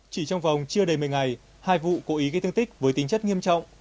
chỉ trong vòng chưa đầy một mươi ngày hai vụ cố ý gây thương tích với tính chất nghiêm trọng